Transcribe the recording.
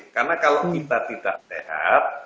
karena kalau kita tidak sehat